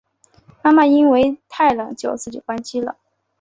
妈妈因为太冷就自己关机了